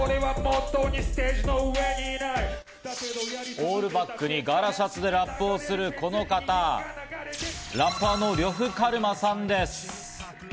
オールバックに柄シャツでラップをするこの方、ラッパーの呂布カルマさんです。